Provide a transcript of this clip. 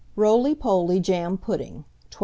ROLY POLY JAM PUDDING. 1291.